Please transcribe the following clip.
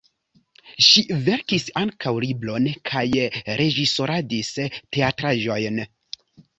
Ŝi verkis ankaŭ libron kaj reĝisoradis teatraĵojn.